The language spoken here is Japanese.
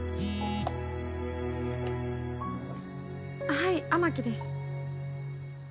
はい雨樹です。